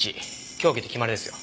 凶器で決まりですよ。